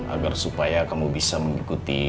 agar supaya kamu bisa mengikuti